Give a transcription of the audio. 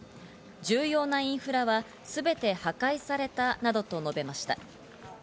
重要なインフラはすべて破壊されたなどと述べました。